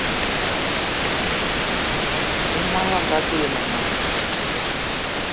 I món menga dzolo mema